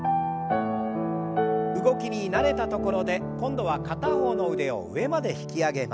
動きに慣れたところで今度は片方の腕を上まで引き上げます。